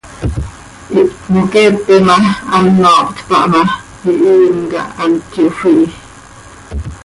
Ihptmoqueepe ma, ano hptpah ma, hihiim cah hant yofii.